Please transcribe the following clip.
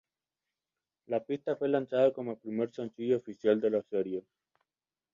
La pista fue lanzado como primer sencillo oficial de la serie.